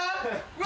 うわ。